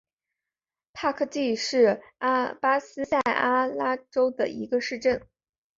帕科蒂是巴西塞阿拉州的一个市镇。